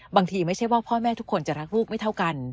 ไม่ใช่ว่าพ่อแม่ทุกคนจะรักลูกไม่เท่ากัน